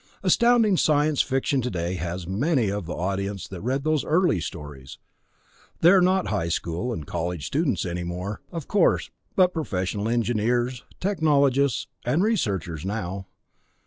Astounding Science Fiction today has many of the audience that read those early stories; they're not high school and college students any more, of course, but professional engineers, technologists and researchers now.